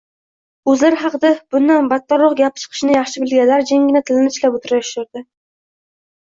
O`zlari haqida bundan battarroq gap chiqishini yaxshi bilganlar jimgina tilini tishlab o`tirishardi